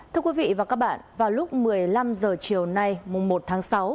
thưa quý vị và các bạn vào lúc một mươi năm h chiều nay một tháng sáu